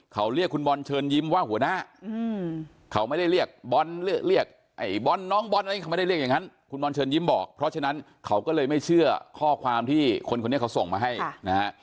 เขาเรียกคุณบอลเชิญยิ้มว่าหัวหน้าเขาไม่ได้เรียกบอลเรียกไอ้บอลน้องบอลอะไรเขาไม่ได้เรียกอย่างนั้นคุณบอลเชิญยิ้มบอกเพราะฉะนั้นเขาก็เลยไม่เชื่อข้อความที่คนคนนี้เขาส่งมาให้นะฮะ